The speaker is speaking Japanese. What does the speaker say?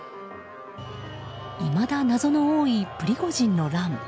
いまだ謎の多いプリゴジンの乱。